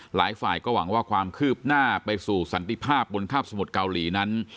หลายฝ่ายก็หวังว่าความคืบหน้าไปสู่สันติภาพบนคาบสมุทรเกาหลีนั้น